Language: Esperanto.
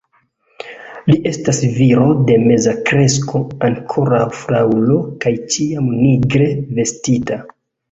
Li estas viro de meza kresko, ankoraŭ fraŭlo kaj ĉiam nigre vestita.